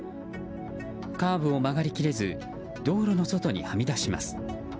カーブを曲がり切れず道路の外にはみ出します。